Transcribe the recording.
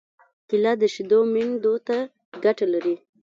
کېله د شېدو میندو ته ګټه لري.